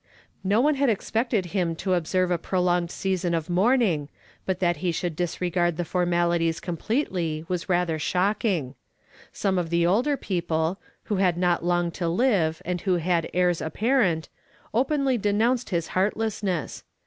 No one had expected him to observe a prolonged season of mourning, but that he should disregard the formalities completely was rather shocking. Some of the older people, who had not long to live and who had heirs apparent, openly denounced his heartlessness.